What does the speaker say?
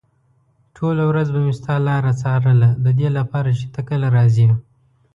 ټوله ورځ به مې ستا لاره څارله ددې لپاره چې ته کله راځې.